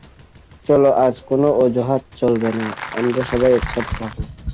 চলো আজ কোন অজুহাত চলবে না, আমরা সবাই একসাথে খাবো।